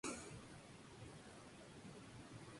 El pueblo está situado al Sur-Este de la provincia de Cáceres.